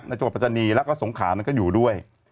จังหวัดประจานีแล้วก็สงขานั้นก็อยู่ด้วย